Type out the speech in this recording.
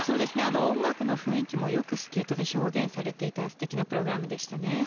音楽の雰囲気もよくスケートで表現されていた素敵なプログラムでしたね。